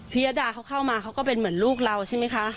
ยดาเขาเข้ามาเขาก็เป็นเหมือนลูกเราใช่ไหมคะ